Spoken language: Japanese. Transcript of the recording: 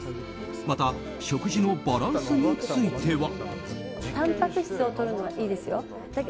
また食事のバランスについては。